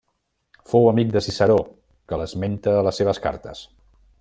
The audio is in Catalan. Fou amic de Ciceró que l'esmenta a les seves cartes.